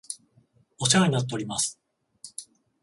お世話になっております